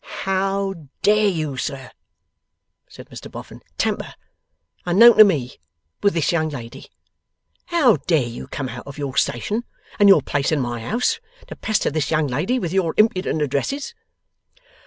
'How dare you, sir,' said Mr Boffin, 'tamper, unknown to me, with this young lady? How dare you come out of your station, and your place in my house, to pester this young lady with your impudent addresses?